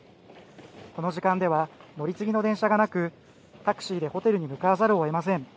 この時間では乗り継ぎの電車がなく、タクシーでホテルに向かわざるをえません。